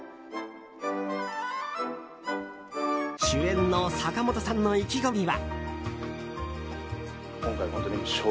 主演の坂本さんの意気込みは。